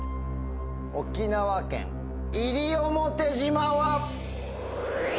沖縄県西表島は。